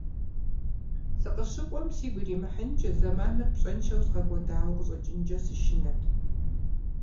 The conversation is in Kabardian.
Сыкъыщыкӏуэм сигу иримыхьынкӏэ, зэманыр пщӏэншэу згъэкӏуэдауэ къыщӏэкӏынкӏэ сышынэрт.